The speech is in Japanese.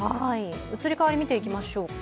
移り変わりを見ていきましょうか。